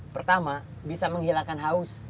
pertama bisa menghilangkan haus